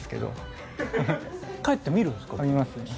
帰って見るんですか？